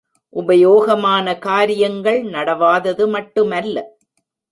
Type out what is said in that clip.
உபயோகமான காரியங்கள் நடவாதது மட்டுமல்ல.